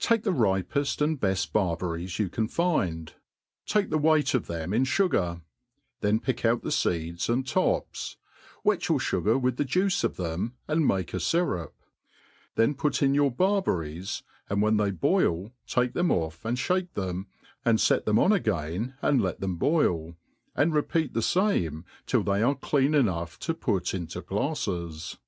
TAKE the ripeft and heft liarbe^ri«s yoa cart find ; take thif weight of, them in fugtr } then pick out the feeds and tops; wet your fugar with the juice of them, and make a fjrup ; theii put in your barberries, and when they boil take them off and ihake thecn, and fet them on again, and let them boil, and re^' peat the fame, tiU they are cleail enough to put into glafies.